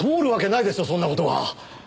そんな事が。